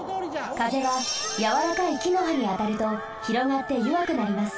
風はやわらかい木の葉にあたるとひろがってよわくなります。